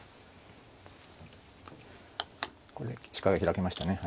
これで視界が開けましたね。